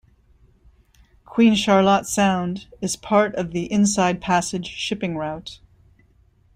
Queen Charlotte Sound is part of the Inside Passage shipping route.